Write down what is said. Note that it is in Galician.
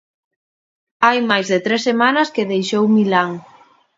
Hai máis de tres semanas que deixou Milán.